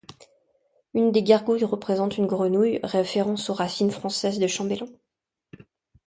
Une des gargouilles représente une grenouille, référence aux racines françaises de Chambellan.